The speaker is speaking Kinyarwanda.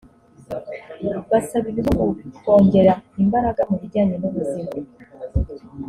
basaba ibihugu kongera imbaraga mu bijyanye n’ubuzima